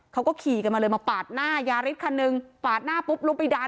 เขาก็ขี่กันมาเลยมาปาดหน้ายาริสคันหนึ่งปาดหน้าปุ๊บลุกไปดัน